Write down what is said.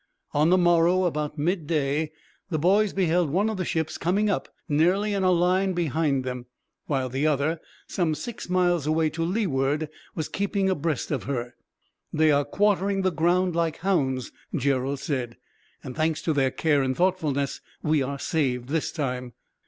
On the morrow, about midday, the boys beheld one of the ships coming up, nearly in a line behind them; while the other, some six miles away to leeward, was keeping abreast of her. "They are quartering the ground, like hounds," Gerald said; "and, thanks to their care and thoughtfulness, we are saved, this time."